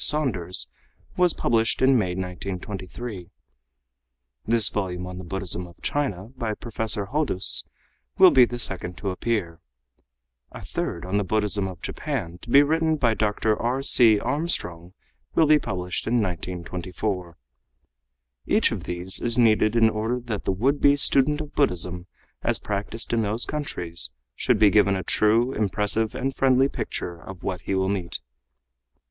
Saunders was published in May, 1923; this volume on the Buddhism of China by Professor Hodous will be the second to appear; a third on the Buddhism of Japan, to be written by Dr. R. C. Armstrong, will be published in 1924. Each of these is needed in order that the would be student of Buddhism as practiced in those countries should be given a true, impressive and friendly picture of what he will meet.